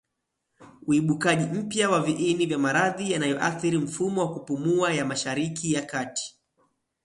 uibukaji mpya wa viini vya maradhi yanayoathiri mfumo wa kupumua ya Mashariki ya Kati